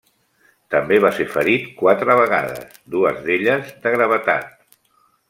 També va ser ferit quatre vegades, dues d'elles de gravetat.